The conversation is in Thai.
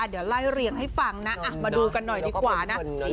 เดี๋ยวไล่เรียงให้ฟังนะมาดูกันหน่อยดีกว่านะ